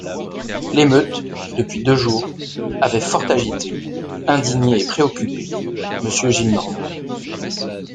L’émeute, depuis deux jours, avait fort agité, indigné et préoccupé Monsieur Gillenormand.